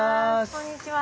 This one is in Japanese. こんにちは。